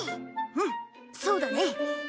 うんそうだね。